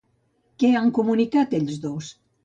Què han comunicat ells dos?